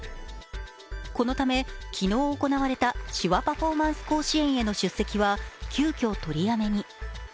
このため、昨日行われた手話パフォーマンス甲子園への出席は急きょ取りやめに。